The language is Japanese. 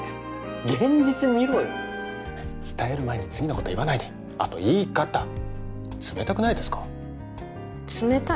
現実見ろよ伝える前に次のこと言わないであと言い方冷たくないですか冷たい？